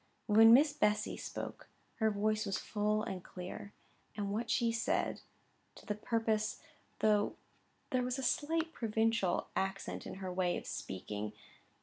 When Miss Bessy spoke, her voice was full and clear, and what she said, to the purpose, though there was a slight provincial accent in her way of speaking.